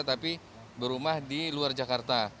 tapi berumah di luar jakarta